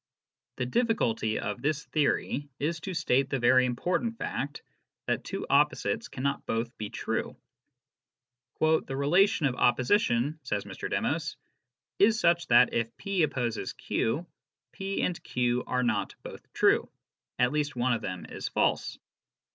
The difficulty of this theory is to state the very important fact that two opposites cannot both be true. "The relation of opposition," says Mr. Demos, " is such that, if p opposes q, ^>and q are not both true (at least one of them is false).